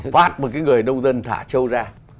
phạt một cái người nông dân thả châu ra